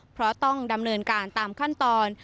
เพราะต้องดำเนินการตามขั้นตอน